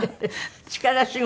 力仕事？